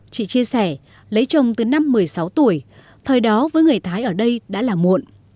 chị chia sẻ lấy chồng từ năm một mươi sáu tuổi thời đó với người thái ở đây đã là muộn